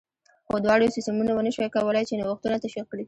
خو دواړو سیستمونو ونه شوای کولای چې نوښتونه تشویق کړي